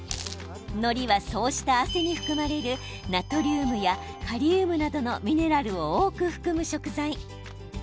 のりは、そうした汗に含まれるナトリウムやカリウムなどのミネラルを多く含む食材。